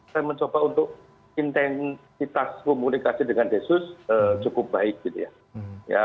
saya mencoba untuk intensitas komunikasi dengan desus cukup baik gitu ya